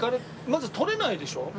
まず取れないでしょう？